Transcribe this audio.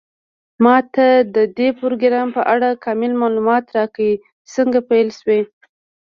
ما ته د دې پروګرام په اړه کامل معلومات راکړئ څنګه پیل شوی